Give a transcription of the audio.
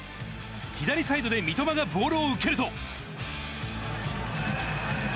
左サイドで三笘がボールを受けると。